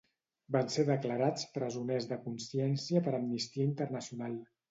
Van ser declarats presoners de consciència per Amnistia Internacional.